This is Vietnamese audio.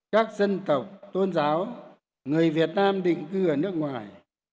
các dân tộc tôn giáo người việt nam định cư ở nước ngoài